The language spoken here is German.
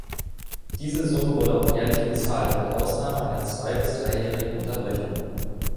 Diese Summe wurde auch jährlich gezahlt mit Ausnahme einer zwei- bis dreijährigen Unterbrechung.